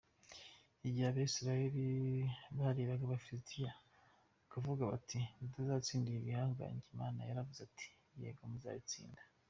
Igihe Abisirayeli barebaga abafilisitiya bakavuga bati ntituzatsinda ibi bihangange, Imana yaravuze iti"Yego muzabatsinda.